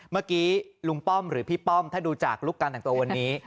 เมื่อกี้ลุงป้อมหรือพี่ป้อมถ้าดูจากลุคการแต่งตัววันนี้